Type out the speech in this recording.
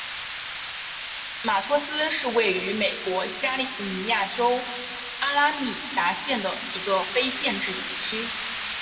马托斯是位于美国加利福尼亚州阿拉米达县的一个非建制地区。